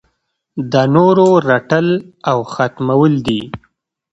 د نورو رټل او ختمول دي.